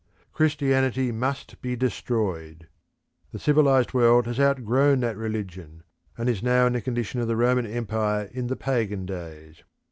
Christianity must be destroyed. The civilised world has outgrown that religion, and is now in the condition of the Roman Empire in the pagan days.